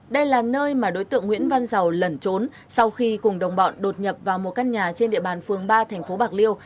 đây là nơi mà đối tượng nguyễn văn giàu lẩn trốn sau khi cùng đồng bọn đột nhập vào một căn nhà trên địa bàn phường ba thành phố bạc liêu